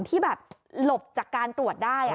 ที่แบบหลบจากการตรวจได้